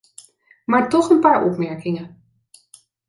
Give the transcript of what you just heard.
Maar toch een paar opmerkingen.